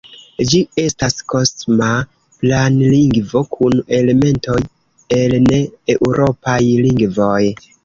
Ĝi estas kosma planlingvo kun elementoj el ne-eŭropaj lingvoj.